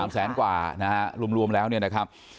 แสนกว่านะฮะรวมแล้วเนี่ยนะครับ